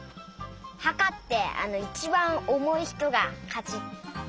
はかっていちばんおもいひとがかち。